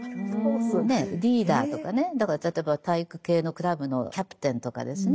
リーダーとかねだから例えば体育系のクラブのキャプテンとかですね